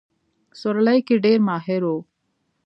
سورلۍ کې ډېر ماهر وو.